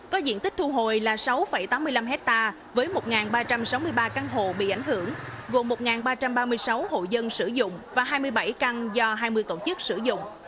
có diện tích thu hồi là sáu tám mươi năm hectare với một ba trăm sáu mươi ba căn hộ bị ảnh hưởng gồm một ba trăm ba mươi sáu hộ dân sử dụng và hai mươi bảy căn do hai mươi tổ chức sử dụng